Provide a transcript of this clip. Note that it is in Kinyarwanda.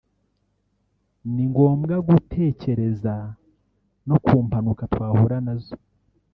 ni ngombwa gutekereza no ku mpanuka twahura nazo